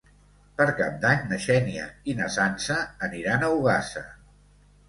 Per Cap d'Any na Xènia i na Sança aniran a Ogassa.